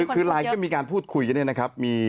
คือไลน์ก็มีการพูดคุยกันเนี่ยนะครับ